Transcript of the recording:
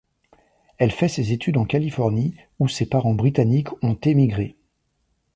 Elle fait ses études en Californie, où ses parents britanniques ont émigré.